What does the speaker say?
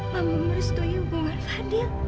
mama merestui hubungan fadil